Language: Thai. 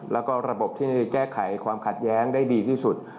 แล้วก็ระบบที่แก้ไขความขัดแย้งได้ดีที่สุด